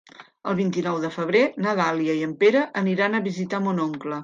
El vint-i-nou de febrer na Dàlia i en Pere aniran a visitar mon oncle.